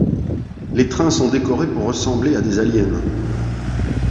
Les trains sont décorés pour ressembler à des aliens.